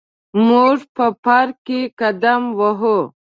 موږ په پارک کې قدم وهو.